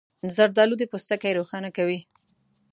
زردالو د پوستکي روښانه کوي.